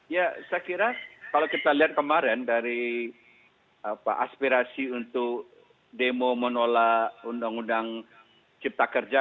ya saya kira kalau kita lihat kemarin dari aspirasi untuk demo menolak undang undang cipta kerja